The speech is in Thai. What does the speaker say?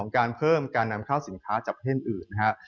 ๓การเพิ่มการนำเข้าสินค้าจากประเทศอื่น